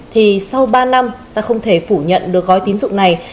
thì sau ba năm ta không thể phủ nhận được gói tín dụng này